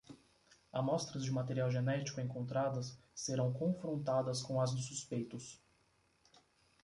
Amostras de material genético encontradas serão confrontadas com as dos suspeitos